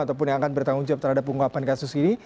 ataupun yang akan bertanggung jawab terhadap pengungkapan kasus ini